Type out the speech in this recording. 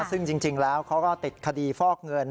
ซึ่งจริงแล้วเขาก็ติดคดีฟอกเงิน